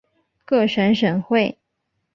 各省省会。